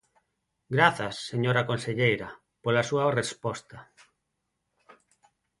Grazas, señora conselleira, pola súa resposta.